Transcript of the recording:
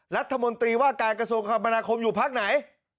รัฐมนตรีว่าการกระทรวงความประมาณคมอยู่ภาคไหน